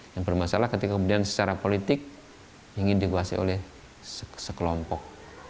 yang bermasalah ketika kemudian secara politik ingin dikuasai oleh sekelompok